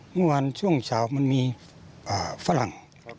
เมื่อวานช่วงเช้ามันมีฝรั่ง